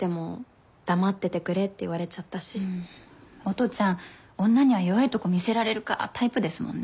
音ちゃん女には弱いとこ見せられるかタイプですもんね。